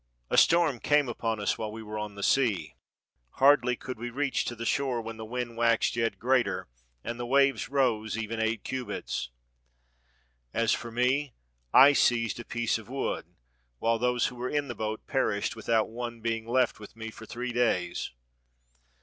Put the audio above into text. A storm came upon us while we were on the sea. Hardly could we reach to the shore when the wind waxed yet greater, and the waves rose even eight cubits. As for me, I seized a piece of wood, while those who were in the boat perished without one being left with me for three days.